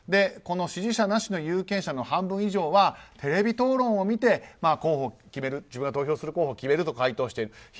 この支持者なしの有権者の半分以上はテレビ討論を見て自分が投票する候補を決めると回答していると。